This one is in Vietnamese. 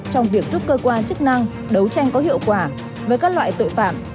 trong việc giúp cơ quan chức năng đấu tranh có hiệu quả với các loại tội phạm